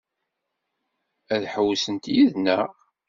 Ad ḥewwsent yid-neɣ?